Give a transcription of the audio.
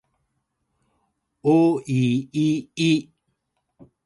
おいいい